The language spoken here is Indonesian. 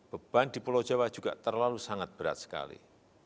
beban di pulau jawa juga terlalu sangat berat sekali